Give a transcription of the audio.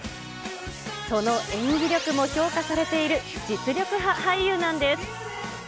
その演技力も評価されている実力派俳優なんです。